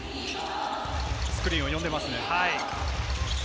スクリーンを読んでいますね。